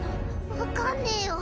分かんねぇよ。